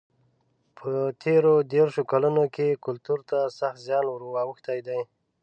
په تېرو دېرشو کلونو کې کلتور ته سخت زیان ور اوښتی دی.